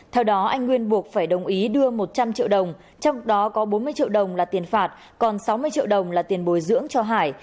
theo đó anh nguyên buộc phải đồng ý đưa một trăm linh triệu đồng trong đó có bốn mươi triệu đồng là tiền phạt còn sáu mươi triệu đồng là tiền bồi dưỡng cho hải